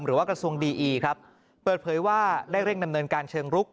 หรือว่ากระทรวงดีอีครับเปิดเผยว่าได้เร่งดำเนินการเชิงรุก